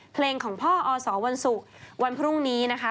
เพลงของพ่ออสวันศุกร์วันพรุ่งนี้นะคะ